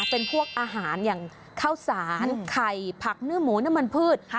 เป็นพวกอาหารอย่างข้าวสารไข่ผักเนื้อหมูน้ำมันพืช